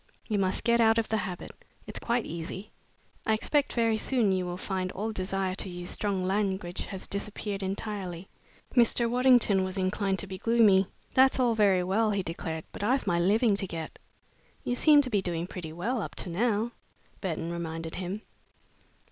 "You must get out of the habit. It's quite easy. I expect very soon you will find all desire to use strong language has disappeared entirely." Mr. Waddington was inclined to be gloomy. "That's all very well," he declared, "but I've my living to get." "You seem to be doing pretty well up to now," Burton reminded him.